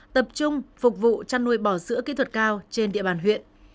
tập trung phục vụ chăn nuôi bò sữa kỹ thuật cao trên địa bàn huyện